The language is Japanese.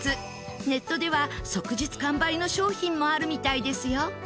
ネットでは即日完売の商品もあるみたいですよ。